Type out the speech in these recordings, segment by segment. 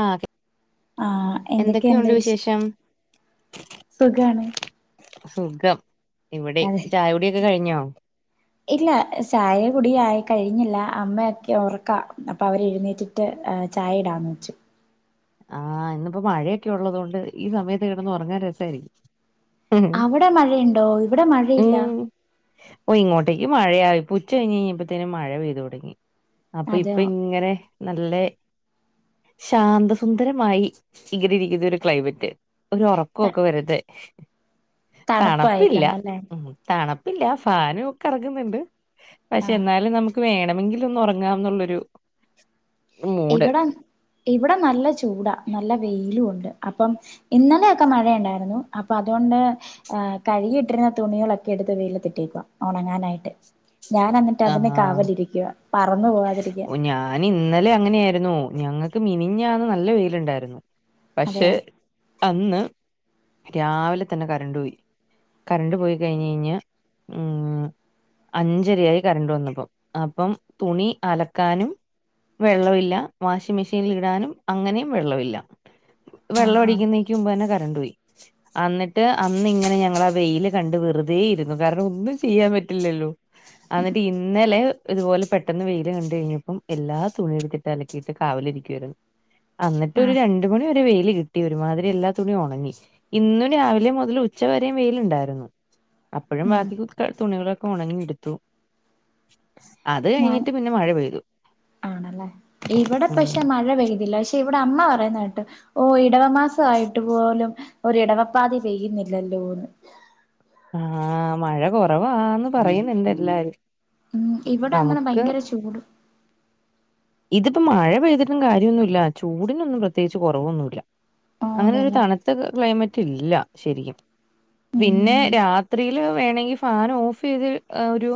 ആ ഒക്കെ ആഹ് എന്തൊക്കെയെണ്ട് വിശേ സുഖാണ് സുഖം ഇവിടെ അതെ ചായ കുടിയൊക്കെ കഴിഞ്ഞോ? ഇല്ല ചായെ കുടി ആയി കഴിഞ് ആഹ് ഇന്ന്പ്പോ മഴയൊക്കെ ഉള്ളതു കൊണ്ട് ഈ സമയത്ത് കെടന്ന് ഒറങ്ങാൻ രസായിരിക്കും അവിടെ മഴ യിണ്ടോ ഇവിടെ മഴയില്ല ഉം ഓ ഇങ്ങോട്ടേക്ക് മഴയായിപ്പ ഉച്ച കഴിഞ്ഞീപ്പത്തെന്നെ മഴ പെയ്തു തൊടങ്ങി അപ്പൊ ഇപ്പൊ അതെയോ ഇങ്ങനെ നല്ല ശാന്തസ് സുന്ദരമായി ഇകറിരിക്കുന്ന ഒരു ക്ലൈമറ്റ് ഒരു ത ഒറക്കൊക്കെ വരതെ തണപ്പില്ല തണുപ്പായിക്കാണ് അല്ലേ ഉം തണപ്പ് ഇല്ല ഫാനു കറങ്ങ്ന്ന്ണ്ട് പക്ഷെ ആഹ് എന്നാലും നമുക്ക് വേണം മെങ്കിലും ഒന്നു ഒറങ്ങാന്നുള്ളൊരു ഇവടെം ഇവിടെ നല്ല ചു ചൂട നല്ല വെയിലൂ ഉണ്ട് അപ്പം ഇന്നലെയൊക്കെ മഴ ഇണ്ടായ്രുന്നു അപ്പൊ അതോണ്ട് ആഹ് കഴുകി ഇട്ടിരുന്നെം തുണികളൊക്കെ എടുത്ത് വെയിലത്തിട്ടേക്ക്വാ ഒണങ്ങാനായിട്ട് ഞാൻ അന്നിട്ട് അതിനെ ആഹ് കാവലിരിക്ക പറന്നു പോവാതിരിക്കാൻ രുന്നു ഞങ്ങക്ക് മിനിഞ്ഞാന്ന് നല്ല വെയിലുണ്ടായിരുന്നു പക്ഷേ അതെയോ അന്ന് രാവിലെ തന്നെ കറണ്ട് പോയി കറണ്ട് പോയി കഴിഞ്ഞുകഴിഞ്ഞ ഉം അഞ്ചരയായി കറണ്ട് വന്നപ്പോ അപ്പം തുണി അലക്കാനും വെള്ളവില്ല വാഷിംഗ്‌ മെഷീനിൽ ഇടാനും അങ്ങനെയും വെള്ളവില്ല വെള്ളം ആഹാ അടിക്കുന്നേക്ക് മുമ്പ് തന്നെ ക റണ്ട് പോയി അന്നിട്ട് അന്ന് ഇങ്ങനെ റണ്ടു റണ്ടു പോയി അന്നിട്ട് അന്ന് ഇങ്ങനെ ഞങ്ങൾ ആ വെയില് കണ്ട് വെറുതെ ഇരുന്നു കാരണം ഒന്നും ചെയ്യാൻ പറ്റില്ലല്ലോ അന്നിട്ട് ഇന്നലെ ഇതുപോലെ പെട്ടെന്ന് വെയില് കണ്ട് കഴിഞ്ഞപ്പം എല്ലാ തുണി എടുത്തിട്ട് അലക്കിട്ട് കാവല് ഇരിക്കുവായിരുന്നു. അന്നിട്ട് ഒരു ആഹ് രണ്ട് മണി വരെ വെയി യിൽ കിട്ടി ഒരുമാതിരി എല്ലാ തുണിയും ഉണങ്ങി ഇന്നും രാവിലെ മുതൽ ഉച്ചവരേം വെയിലുണ്ടായിരുന്നു അപ്പോഴും ഉം ബാക്കി തുണികളൊ ഇപ്പ ഉണങ്ങി എടുത്തു ഞാൻ പിന്നെ മഴ പെയ്തു ആണല്ലേ ഇവിടെ ഉം പക്ഷെ മഴ പെയ്തില്ല പക്ഷെ ഇവിടെ അമ്മ പറയുന്ന കേട്ട് ഓഹ് ഇടവമാസ ആയിട്ട് പോലും ഒരു ഇടവപ്പാതി പെയ്യുന്നില്ലല്ലോന്ന് ആഹ് മഴ കുറവാന്ന് പറയുനുണ്ട് എല്ലാരും ഉം ഇവിടെ അങ്ങനെ നമുക്ക് ഭയങ്കര ചൂട് ഇതിപ്പോ മഴ പെയ്തിട്ടും കാര്യമൊന്നുവില്ല ചൂടിനൊന്നും പ്രത്യേകിച്ച് കുറവൊന്നുവില്ല ആ അങ്ങനൊരു അതല്ലേ തണുത്ത ക്ലൈമറ്റ് ഇല്ല ശരിക്കും പിന്നെ ഉം രാത്രിയിൽ വേണെങ്കിൽ ഫാൻ ഓഫ് ചെയ്ത് ഒരു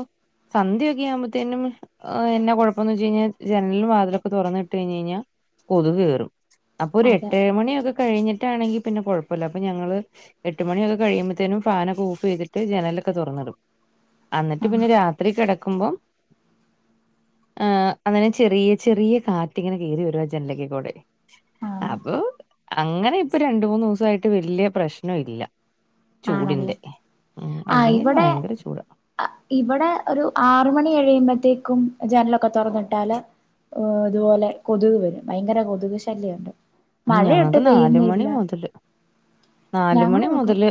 സന്ധ്യയൊക്കെ ആവുമ്പോത്തേനും എന്ന കുഴപ്പോന്ന് വെച്ച് കഴിഞ്ഞാൽ ജനലും വാതിലൊക്കെ തുറന്നിട്ട് കഴിഞ്ഞ് കഴിഞ്ഞാ കൊതുക് കയറും അപ്പൊ ഒരു അതെ എട്ടെ മണിയൊക്കെ കഴിഞ്ഞിട്ടാണെങ്കി പിന്നെ കുഴപ്പവില്ല അപ്പൊ ഞങ്ങള് എട്ട് മണിയൊക്കെ കഴിയുമ്പത്തേനും ഫാനൊക്കെ ഓഫ് ചെയ്തിട്ട് ജനലൊക്കെ തുറന്നിടും അന്നിട്ട് പിന്നെ രാത്രി കിടക്കുമ്പോം ഏഹ് അങ്ങനെ ചെറിയ ചെറിയ കാറ്റ് ഇങ്ങനെ കയറി വരും ജനലക്കെ കൂടെ ആ അപ്പൊ അങ്ങനെ ഇപ്പൊ രണ്ട് മൂന്ന് ദിവസയിട്ട് വല്യ പ്രശ്നവില്ല ആണല്ലേ ആഹ് അല്ലെങ്കിൽ ഇവിടെ ഭയങ്കര ചൂടാ ഇവിടെ ഒരു ആറ് മണി എഴിയുമ്പോത്തേ ക്കും ജനലൊക്കെ തുറന്നിട്ടാല് ഇതുപോലെ കൊതുക് വരും ഭയങ്കര കൊതുക് ശല്യവുണ്ട് ഞങ്ങക്ക് നാല്മണി മുതല് ഞങ്ങളെ നാലുമണി മുതല്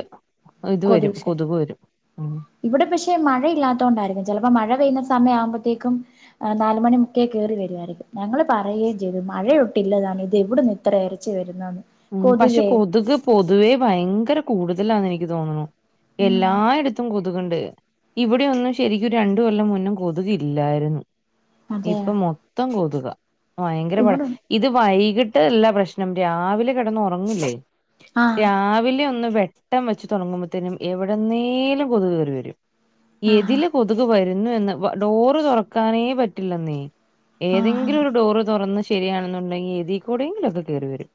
ഇത് വരും കൊതുക് വരും ഉം ഇവിടെ പക്ഷെ മഴയില്ലാത്ത കൊണ്ടായിരിക്കും ചെലപ്പോ മഴ പെയ്യുന്ന സമയം ആവുമ്പോത്തേക്കും നാലുമണി മുക്കെ കേയറി വരുവായിരിക്കും ഞങ്ങൾ പറയുകയും ചെയ്തു മഴയൊട്ടില്ലതാനും ഇത് എവിടന്ന് ഇത്ര ഇരച്ച വരുന്ന ഉം പക്ഷെ കൊതുക് പൊതുവെ ഭയങ്കര കൂടുത ഇതല്ലാന്ന് എനിക്ക് തോന്നുന്നു ഉം എല്ലായിയിടത്തും കൊ കൊതുക്ണ്ട് ഇവിടെ ഒന്നും ശരിക്കും രണ്ട് കൊല്ലം മുന്നും കൊതുകില്ലായിരുന്നു അതെ ഇപ്പൊ മൊത്തം കൊതുക ഭയങ്കര പട ഇവിടെ ഇത് വൈ ട്ട് എല്ലാ പ്രശ്നം രാവിലെ കിടന്നുറങ്ങില്ലേ ആഹ് രാവിലെ ഒന്ന് വെ ട്ടം വെച്ച് തുടങ്ങുമ്പോഴത്തേനും എവിടന്നേലും കൊതുകേറി വരും ഏതില് കൊതുക് വരും ന്ന് ഡോറ് തുറക്കാനേ പറ്റില്ലെന്നീ ആഹ് ആഹ് ഏതെങ്കിലും ഒരു ഡോറ് തുറന്ന് ശരിയാണെന്നുണ്ടെങ്കിൽ എതിൽക്കൂടെങ്കിലൊക്കെ കേറി വരും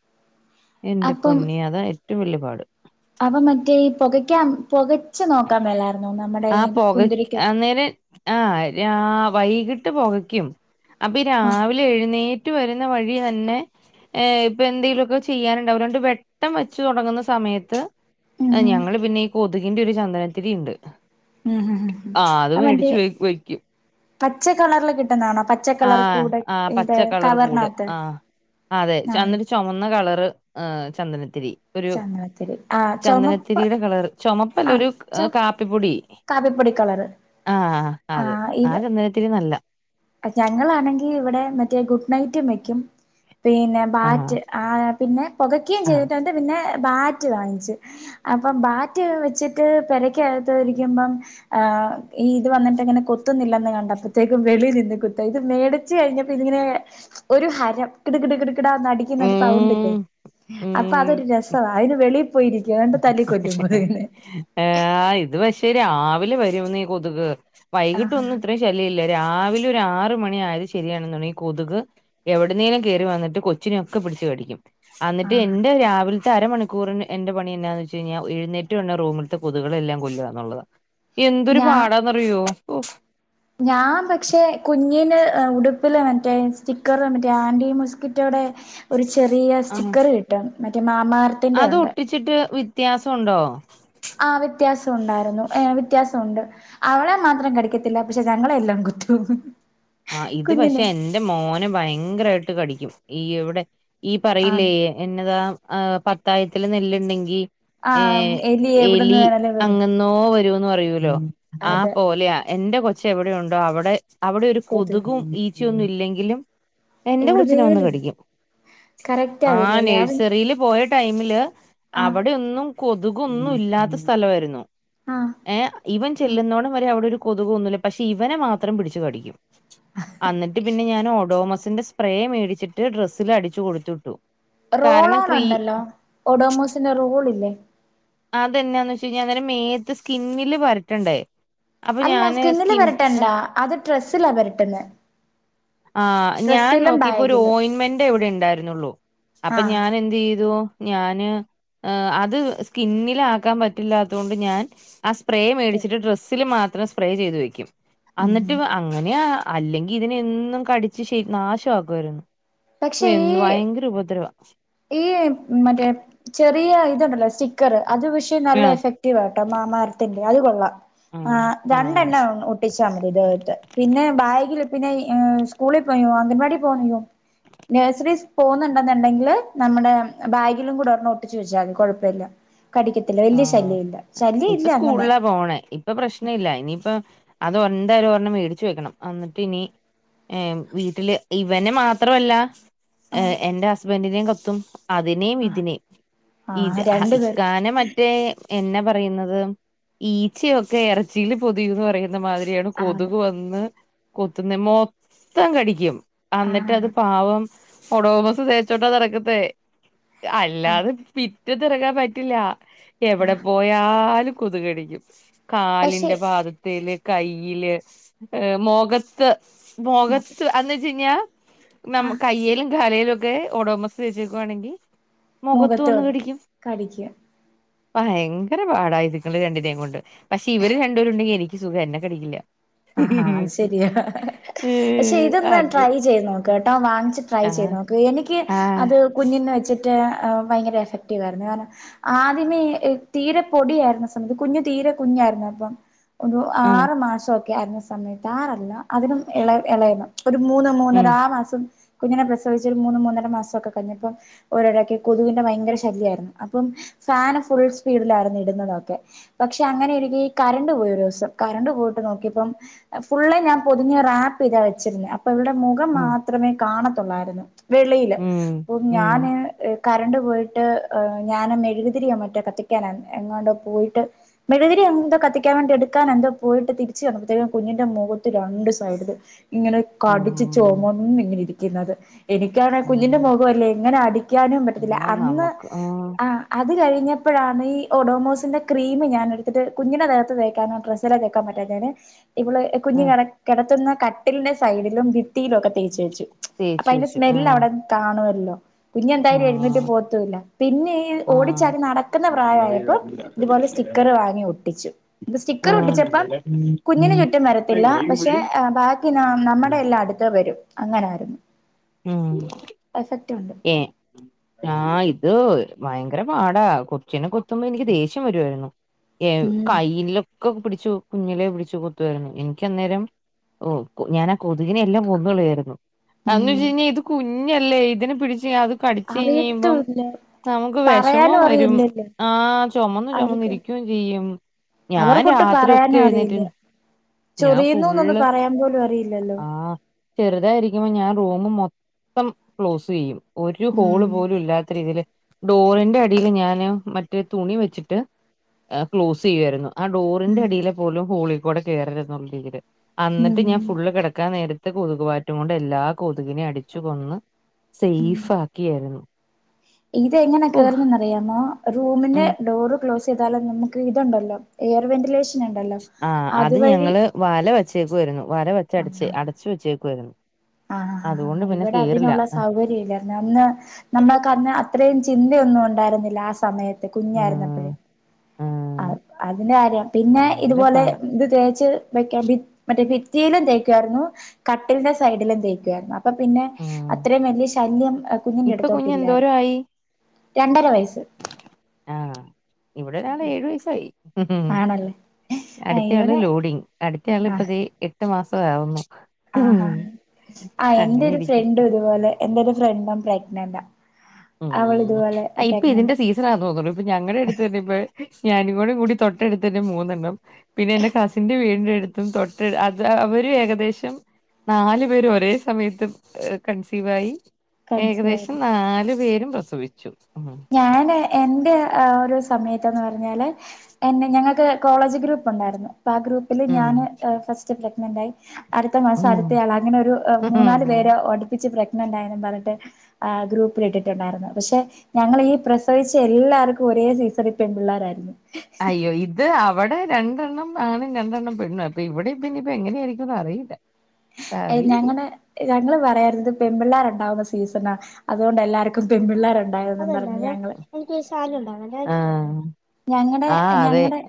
എന്റെ പൊന്നി അത് ഏറ്റവും വലിയ പാട് അവ മറ്റേ ഈ പുകയ്ക്കൻ പുകച്ചു നോക്കാൻ മേലായിരുന്നോ നമ്മേടെ ഈ പൊക കുന്തിരിക്കൊക്കെ അന്നേരം ആ വൈകിട്ട് പൊകയ്ക്കും അപ്പൊഈ ആഹ് രാവിലെ എഴുന്നേറ്റ് റ്റു വരുന്ന വഴി തന്നെ ഇപ്പൊ എന്തെങ്കിലൊക്കെ ചെയ്യാനുണ്ടാവും രണ്ട് വെട്ടം വെച്ച് തുടങ്ങുന്ന സമയത്ത് ഉം ഞങ്ങള് പിന്നെ ഈ കൊതുകിന്റെ ഒരു ചന്ദനത്തിരിണ്ട് ഉം ഉം ഉം ഉം ആ അത് മറ്റേ മേടിച്ച് വെയ്ക്കും പച്ച കളറില് കിട്ടുന്നതാണോ പച്ച ആ കളർ കൂടെ ആ ഇത് പച്ച കളറ് കൂട് കവറിനകത്ത് ആ അതെ ആഹ് ചന്നത് ചൊമന്ന കളറ് ഹ് ചന്ദനത്തിരി ഒരു ചന്ദനത്തിരി ആഹ് ചുമപ്പ് ചന്ദനത്തിരിയുടെ കളർ ചൊമ അല്ല ആഹ് ഒരു ചുമ കാപ്പിപ്പൊടി കാപ്പിപ്പൊടി കളറ് ആഹ് ആ അത് ഇവ ചന്ദനത്തിരി നല്ല ഞങ്ങളാണെങ്കി ഇവിടെ മറ്റേ ഗുഡ് നൈറ്റും വെക്കും പിന്നെ ആഹ് ബാറ്റ് ആ പിന്നെ പുകയ്ക്കും ആഹ് ചെയ്തിട്ടുണ്ട് പിന്നെ ബാറ്റ് വാങ്ങിച്ച് അപ്പം ബാറ്റ് വെച്ചിട്ട് പെരക്കകത്ത് ഇരിക്കുമ്പം ഇത് വന്നിട്ട്ങ്ങനെ കൊ തിന്നില്ല കണ്ടപ്പോതേക്കും വെളി ഇത് മേടച്ച് കഴിഞ്ഞപ്പോ ഇത് ഇങ്ങനെ ഒരു ഹരം കിട് കിട് കിട് കിടാന്ന് അടിക്കുന്ന ഒരു സൗണ്ടില്ലേ ഉം അപ്പൊ ഉം അതൊരു രസവാ അതിന് വെളി പോയിരിക്കും എന്നിട്ട് തല്ലി കൊല്ലും കൊതുകിനെ ആഹ് ഇത് പക്ഷേ രാവിലെ വരും നീ കൊതുക് ആ വൈകിട്ട ഒന്നും ഇത്രയും ശല്യ ഇല്ല രാവിലെ ആറ മണി ആയത് ശരിയാണുണ്ടെ കൊതുക് എവിടുന്നേലും കേറി വന്നിട്ട് കൊച്ചിനെക്കെ പിടിച്ച് കടിക്കും ആ എന്നിട്ട് എന്റെ രാവിലത്തെ അരമണിക്കൂറിന് എന്റെ പണി എന്താന്ന് വച്ച് കഴിാൽ എഴുന്നേറ്റ് കഴിഞ്ഞ റൂമിലത്തെ കൊതുകുകളെല്ലാം കൊല്ലുക എന്നതാണ് എന്തൊരു ഞാൻ പാടാന്ന്റിയോ ഓഫ് ഞാൻ പക്ഷെ കുഞ്ഞിന് ഉടുപ്പില് മറ്റേ സ്റ്റിക്കറില് മറ്റേ ആന്റി മോസ്കിറ്റോയുടെ ഒരു ചെറിയ ആ സ്റ്റിക്കറ് കിട്ടൻ മറ്റ മാമാ എർത്തിന്റെ ഉണ്ട് വ്യത്യാസം ഉണ്ടോ ആ വ്യത്യാസം ഉണ്ടായിരുന്നു ഏ വ്യത്യാസം ഉണ്ട് അവളെ മാത്രം കടിക്കത്തില്ല പക്ഷെ ഞങ്ങളെ എല്ലാം കുത്തും ആ ഇത് പക്ഷെ കുഞ്ഞിന് എൻ്റെ മോന ഭയങ്കരായിട്ട് കടിക്കും ഈ ഇവിടെ ഈ പറയില്ലേ ആണ് എന്നതാ ആ പത്തായത്തില് നെല്ലിണ്ടെങ്കി ആ ഏ എവിടുന്ന് എലി വേണേലും വരും അങ്ങന്നോ വരു ന്ന് പറയൂലോ ആ അതെ പോലെയ എൻ്റെ കൊച്ചെവിടെയു ടൊ അവിടെ അവി കൊതു കൊതുകും ഈ ച്ചൊന്നും ഇല്ലെങ്കിലും എന്റെ കൊച്ചിനെ വന്ന് എവിടുന്നേലും കടിക്കും കറക്റ്റാ ആ വരും അല്ലേ അവൻ നേഴ്സറീല് പോയ ടൈമില് ആ അവിടെ ഒന്നും കൊതുകൊന്നും ഇല്ലാത്ത സ്ഥലവായിരുന്നു ആ ഏ ഇവൻ ചെല്ലുന്നോണം വരെ അവിടെ ഒരു കൊതുകൊന്നുല്ല പക്ഷെ ഇവനെ മാത്രം പിടിച്ചു കടിക്കും അന്നിട്ട് പിന്നെ ഞൻ ഓടോ സിന്റെ സ്പ്രേ മേടിച്ചിട്ട് ഡ്രസ്സൽ അടിച്ചു കൊടുത്തു റോൾ കാരണം ഓൺ ക്രീ ഒണ്ടല്ലോ ഒഡോമോസിന്റെ റോൾ ഇല്ലേ അതെന്നാന്ന് വച്ച കഴിഞ്ഞാ അം മേയത്ത് സ്കിന്നില് പരട്ടണ്ടേ അപ്പൊ അല്ല ഞാന് സ്കിന്നില് സ്കിൻ പരട്ടണ്ട അത് ഡ്രസ്സിലാ പരട്ടണ്ടെ ആ ഞാൻ നോക്കീപ്പോ ഒരു ഒയിന്റ്മെന്റെ ഇവിടെ ഇണ്ടായിരുന്നുള്ളു അപ്പൊ ആഹ് ഞാൻ എന്തെയ്തു ഞാന് ഏ അത് സ്കിന്നില് ആക്കാൻ പറ്റില്ലാത്തോണ്ട് ഞാൻ അസ് പ്രേ മേടിച്ചിട്ട് ഡ്രസ്സിലെ മാ ത്രം സ്പ്രേ ചെയ്ത് വയ്ക്കും ഉം അന്നിട്ട് ഉം അങ്ങനെയാ അല്ലെങ്കി ഇതിനെ എന് നും കടിച്ച ശ നാശാക്കുവാരുന്നു പക്ഷെ ഈ ഈ മറ്റേ ചെറിയ ഇതുണ്ടല്ലോ സ്റ്റിക്കറ് അത് പക്ഷേ നല്ല ആ എഫക്റ്റീവ് ആട്ടോ മാമാ ഏർത്തി അത് കൊള്ളാം ആ ആ രണ്ടെണ്ണെ ഒട്ടിച്ചാ മതി ഇത് ട്ടെ പിന്നെ ബാഗീല് പിന്നെ ഏ സ്കൂളി പോയോ അംഗൻവാടി [unintelligible] നേഴ്സറിസ് പോന്നുണ്ടെന്നുണ്ടെങ്കില് നമ്മടെ ബാഗിലും കൂടെർണം ഒട്ടിച്ചു വെച്ചാമതി കൊഴ്പ്പല്ല ആ ഇപ്പൊ അങ്ങനെ സ്കൂളിലാ പോണേ ഇപ്പൊ പ്രശ്ന ഇല്ല ഇനിയിപ്പ അത് ഒന്തരോരെണ്ണം മേടിച്ചു വെക്കണം എന്നിട്ട് ഇനി വീട്ടില് ഇവനെ മാത്രമല്ല ആഹ് എറെ ഹസ്ബൻറിിനേയും കത്തും അതിനെയും ആഹ് ഇതിനെയും ആഹ് ഇത് രണ്ടു പേർക്ക് ഇക്കാന എന്നെ പറയുന്നത് ഈച്ചയൊക്കെ എറജീൽ പൊതിയന്ന് പറയ മാതിരിയാണ് ആഹ് കൊതുക് വന്ന് കൊത്തുന്ന മൊത്തം കടിക്കും എന്നിട്ട് അത് ആഹ് പാവം ഒടോമസ് തേച്ചോട്ടാ റക്കത്തെേ ആഹ് അല്ലാതെ പി ചറ്റ തിറക്കാൻ പറ്റില്ല എവിടെ ആഹ് പോയാലും കൊതുകടിക്കും പക്ഷെ കാലിന്റെ ഭാതത്തില്ൽ കയ്യില് ഏ മുഖത്ത് മുഖ മുഖത്ത്ന്ന് വെച്ച കഴിഞ്ഞാൽ ന ആ കയ്യയിലും കലയിലും ഓഡോമസ് വച്ചക്കുവാണെങ്കിൽ മുഖത്തോ കടിക്കുക ഭയങ്കര പാടായി ഇതുങ്ങളെ രണ്ടിനെയും കൊണ്ട് പക്ഷെ ഇവർ രണ്ടുപേരും ഉണ്ടെങ്കിൽ എനിക്ക് സുഖം എന്നെ കടിക്കില്ല ആ അത് ശരിയാ പക്ഷെ ഏഹ് ഇതൊന്ന് ട്രൈ അങ്ങനെ ചെയ്യ്തു നോക്കാം [unintelligible] ട്രൈ ചെയ്യ്തു ആഹ് നോക്ക് എനിക്ക് ആഹ് കുഞ്ഞിന് വെച്ചിട്ട് ഭയങ്കര എഫക്റ്റീവ് ആയിരുന്നു കാരണം ആദ്യമേ തീരെ പൊടിയായിരുന്ന സമയത്ത് കുഞ്ഞു തീരെ കുഞ്ഞായിരുന്നു അപ്പം ഒരു ആഹ് ആറുമാസം ഒക്കെ സമയത്ത് ആറല്ല അതിനും ഇള ഇളയതാ ഒരു മൂന്ന് ഉം മൂന്നര ആ മാസം കുഞ്ഞിനെ പ്രസവിച്ച ഒരു മൂന്നും മൂന്നര മാസമൊക്കെ കഴിഞ്ഞപ്പോ ഒരിടക്കൊക്കെ കൊതുകിന്റെ ഭയങ്കര ശല്യമായിരുന്നു അപ്പം ഫാബിന് ഫുൾ സ്പീഡിലായിരുന്നു ഇടുന്നതൊക്കെ പക്ഷെ അങ്ങനെൊരിക്ക ഈ കറന്റ്‌ പോയി ഒരു ദിവസം കറന്റ്‌ പോയിട്ട് നോക്കി അപ്പം ഫുൾ ആയി ഞാൻ പൊതിഞ്ഞ റാപ്പ് ചെയ്താ വെച്ചിരുന്നു മുഖം ഉം മാത്രമേ ഉള്ളായിരുന്നു വെളയിൽ ഉം ഞാൻ ഉം കറന്റ്‌ പോയിട്ട് ഞാൻ മെഴുതിരിയോ മറ്റേ കത്തിക്കാന എങ്ങോണ്ടോ പോയിട്ട് മെഴുതിരി എന്തോ കത്തിക്കാൻ വേണ്ടി എടുക്കാൻ എന്തോ പോയിട്ട് തിരി കുഞ്ഞിന്റെ മുഖത്ത് രണ്ട് സൈഡിലും ഇങ്ങനെ കടിച്ചു ഉം ചുവന്ന ഇങ്ങനെ ഇരിക്കും ക്കുന്നത് എനിക്കാണെ കുഞ്ഞിന്റെ ഉം മൊഖവല്ലേ എങ്ങനെ അടി ക്കാനും ആ പറ്റത്തില്ല അന്ന് നമുക്ക് ആ അ ത് കഴിഞ്ഞപ്പോഴാണ് ഈ ഒഡോമോസിന്റെ ക്രീം ഞാൻ എടുത്തിട്ട് കുഞ്ഞിന്റെ ദേഹത്ത് തേക്കാതെ ഡ്രസ്സിലെ തേക്കാൻ പ [unintelligible] ഇപ്പോള് ആ കുഞ്ഞ് കെ കേടത്തുന്ന കട്ടിലിന്റെ സൈഡിലും ഭിത്തിയിലും ഒക്കെ തേച്ചു വെച്ചു അപ്പൊ തേച്ച് അതിന്റെ വെച്ചു ആ സ്മെല്ല് അവിടെ കാണുവ അല്ല ഇനി ആ എന്തായാലും എഴുനേറ്റ് പോകത്തൂല്ല പിന്നെ ഈ ആ ആ ഓടിച്ചടി നടക്കുന്ന ഉം പ്രായമായപ്പോ ഇതുപോലെ സ്റ്റിക്കർ വാങ്ങി ഒട്ടിച്ചു അപ്പ സ്റ്റിക്കർ ഒട്ടിച്ചപ്പം കുഞ്ഞിനു ചുറ്റും വരത്തില്ല പക്ഷെ ബാക്കി നമ്മുടെ എല്ലാം അടുത്ത് വരും അങ്ങനായിരുന്നു പക്ഷേ ഏഹ് ആഹ് ഇത് ഭയങ്കര പാട കൊച്ചനെ കൊത്തുമ്പോ എനിക്ക് ദേഷ്യം വരുവായിരുന്നു ഏ ഉം കയ്യിലൊക്കെ പിടിച്ചു കുഞ്ഞിലെ പിടിച്ചു കൊത്തുയിരുന്നു എനിക്ക് അന്നേരം ഓ ഞാനൻ ആ കൊതുകിനെ എല്ലാം കെന്ന് കളയായിരുന്നു അന്ന് ഉം ഇജ് ഞ്ഞി ഇത് കുഞ്ഞ ല്ലേ ഇതിന് പിടിച്ച് അത് കടിച്ച കഴഞ്ഞ് കഴിയുമ്പം അറിയത്തൂല്ല നമുക്ക് വിഷമവും പറയാനും വരും അറിയില്ലല്ലോ ആ ചുമന്ന ചുമന്ന അവർക്ക് ഇരിക്കയും ചെയ്യും ഞാൻ അവർക്കൊട്ട് രാത്രി ഒക്കെ എഴുന്നേറ്റ് ഞാൻ ചൊറിയുന്നു ഒകെ ഫുള്ള് പറയാൻ പോലും അറിയില്ലല്ലോ ആഹ് ചെറുതായിരിക്കുമ്പോ ഞാൻ റൂമ് മെ ക്ലോസ് ചെയ്യും ഒരു ഹോള് ഉം പോലും ഇല്ലാത്ത രീതിയില്- ഡോറിന്റെ അടിൽ ഞാന് മറ്റേ തുണി വെച്ചിട്ട് ക്ലോസ് ചെയ്യുവായിരുന്നു- ആ ഡോറിന്റെ ഉം അടിയിലെ പോലും ഹോളി- കൂടെ കയറരുതെന്നുള്ള രീതിയില്- ഉം അന്നിട്ട് ഞാൻ- കിടക്കാൻ നേരത്ത് കൊതുകു ബാറ്റും കൊണ്ട് എല്ലാ കൊതുകിനെയും അടിച്ചു കൊന്ന്- സൈഫ് ആക്കിയാരുന്നു- ഇതെങ്ങനെ കേയറുന്നന്ന്റിയാമോ ഉം റൂമിന്റെ ഡോറ് ക്ലോസ്- [unintelligible] നമുക്ക് ഇണ്ടല്ലോ എയർ വെന്റിലേഷൻ ഉണ്ടല്ലോ ആ അത് അതുവഴി ഞങ്ങള് വല വ ച്ചേക്ക് വരുന്നു വര വെച്ചടച്ച് ആഹ് അടച്ച് വെച്ചേക്കുയിരുന്നു ആ ആ ഇവിടെ അതിനുള്ള സൗകര്യം ഇല്ലായിരുന്നു അന്ന് നമ്മൾക്ക് അന്ന് അത്ര ഇയും ചിന്തയൊന്നും ഉണ്ടായിരുന്നില്ല ആ സമയത് മ കുഞ്ഞായിര്ന്നപ്പഴേ ആഹ് അ ആഹ് അതിന്റെ കാര്യം പിന്നെ ഭയങ്കര ഇതുപോലെ പാട് ഇത് തേച്ച് വെക്കാൻ മറ്റേ ത്തിയിലും തേക്കുയിരുന്നു കട്ടിന്റെ സൈഡിലും തേക്കുയിരുന്നു അപ്പൊ പിന്നെ ഉം അത്രയും വലിയ ശല്യം കുഞ്ഞിന്റെ ഇപ്പൊ കുഞ്ഞ് അടുത്തോട്ടില്ലായിരുന്നു രണ്ടര വയസ് ആ ഇവിടെരാളെ ഏഴു വയസ സയ് ഉം ഉം ആണല്ലേ ആ അടുത്തയാള് ഇവിടെ ലോഡിങ് അടുത്തയാളി ആ ഇപ്പ ദേ എട്ട് മാസം [unintelligible] ആ ആഹ് എന്റെ അങ്ങനെ ഒരു ഇരിക്കുന്നു ഫ്രണ്ട് ഇതുപോലെ എന്റെ ഒരു രണ്ടാം പ്രയത്നംന്താ ഉം ആ ഇപ്പൊ ഇതിന്റെ സീസണാ തോന്നള്ളൂ ഇപ്പൊ ഞങ്ങളുടെ അടുത്ത് തന്നെ ഇപ്പ ഞാനി കൂടെ കൂടി തൊട്ടടുത്ത്ന്റെ മൂന്നെണ്ണം പിന്നെ എൻ്റെ കസിന്റെ വീടിൻ്റെ അടുത്തും തൊട്ട അത് അവര് ഏകദേശം നാലു പേര് ഒരേ സമയത്തും കൺസീവായി കൺസീവ് ഏകദേശം നാല് പേരും പ്രസവിച്ചു ഉം ഞാന് എന്റെ ആ ഒരു സമയത്തന്ന് പറഞ്ഞാല് എന്നെ ഞങ്ങൾക്ക് കോളേജ് ഗ്രൂപ്പ് ഉണ്ടായിരുന്നു ആ ഗ്രൂപ്പിൽ ഉം ഞാന് ആ ഫസ്റ്റ് ണ്ടായി അടുത്ത മാസം ഉം അടുത്തയാൾ അങ്ങനൊ ഒരു മൂന്നാല് ഉം പേര് ടിപ്പിച്ചച്ച് പ്ര ണ്ടായും പറഞ്ഞിട്ട് ആ ഗ്രൂപ്പില ഇട്ടിട്ടുണ്ടായിരുന്നു പക്ഷെ ഞങ്ങളി പ്രസവിച്ച എല്ലാവർക്കും ഒരേ സീസണൽ പെൺ പിള്ളേരായിരുന്നു അയ്യോ ഇത് ആ ഇവിടെ രണ്ടെണ്ണം ആണും രണ്ടെണ്ണം പെണ്ണു അപ്പൊ ഇവിടെ പിന്ന ഇപ്പൊ എങ്ങനെയ ആായിരിക്കുംന്ന് അറിയില്ല അ അറിയില്ല ഞങ്ങത പറ പെിള്ളേർണ്ടുന്ന സീസ അൊല്ല പിൻ പിിള്ളേരുണ്ടായന്ന് പറഞ്ഞ് ഞങ്ങള് ആഹ ഞങ്ങളടെ ഞങ്ങളടെ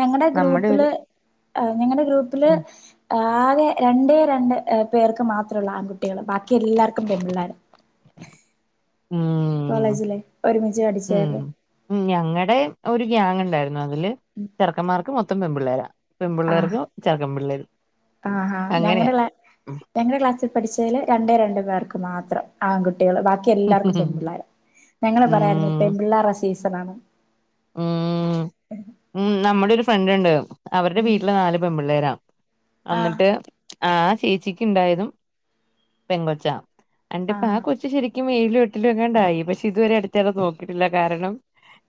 ഞങ്ങളടെ നമ്മുടെ ഗ്രൂപ്പില് ഒരു നിങ്ങള ഗ്രൂപ്പില് ഉം ആകെ രണ്ടേ രണ്ട് പേർക്ക് മാത്രമ ഉള്ള ആൺകുട്ടികള് ബാക്കി എല്ലാർക്കും പെപിള്ളേർ ഉം കോളേജിലെ ഒരുമിച്ച് ഉം അടിച്ചര ഉം ഞങ്ങടെ ഒരു ഗാങ് ഉണ്ടായിരുന്നു ല് ചെറക്കന്മാർക്ക് മൊം മത്തം വെ പിള്ളേരാ ആ ആഹ അങ്ങനെയാ ഞങ്ങളടെ ഞങ്ങളടെ ക്ലാസ്സിൽ പഠിച്ചതിൽ രണ്ടേ രണ്ട് പേർക്ക് മാത്രം ആട്ടെ കുട്ടികൾ ബാക്കി എല്ലാവർക്കും ഉം പെൺ പിിള്ളോര ഞങ്ങള്െ പറയുന്ന പെ പിിള്ള മസലാണ് ആ ഉം നമ്മുടെ ഒരു ഫ്രണ്ട് ഉണ്ട് അവരുടെ ഉം വീട്ടില് നാല് പെൺ പിിള്ളേരാണ് ആഹ് അന്നിട്ട് ആ ചേച്ചിക്ക് ഉണ്ടായതും പെങ്കൊച്ച രണ്ടിപ്പ ആ ആഹ് കൊച്ചു ശരിക്കും എനി എഴിലും എട്ടിലും എങ്ങാണ്ടായി പക്ഷെ ഇതുവരെ [unintelligible] നോക്കിട്ടില്ല കാരണം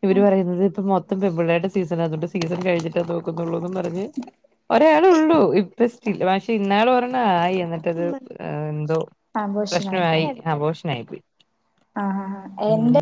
ഇവര് പറയുന്നത് ഇപ്പ മൊ പെൺ പിള്ളേരുടെ സീസൺ അതുകൊണ്ട് സീസൺ കഴിഞ്ഞിട്ടേ നോക്കുന്നുള്ളൂന്ന് പറഞ്ഞ് ഒരാളെ ഉള്ളൂ സ്റ്റിൽ പക്ഷെ ഇന്നാള് ഒരെണ്ണം എന്ന ആയി എന്നിട്ടത് എന്തോ പ്രശ്നവായി അബോർഷൻ [inaudible] ആഹ ആ എന്റെ